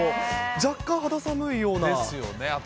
若干、肌寒いような。